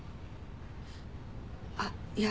あっいや